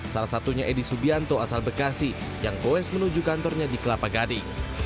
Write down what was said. salah satunya edi subianto asal bekasi yang goes menuju kantornya di kelapa gading